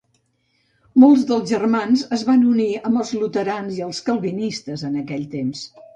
Molts dels germans es van unir amb els Luterans i els Calvinistes en aquell temps.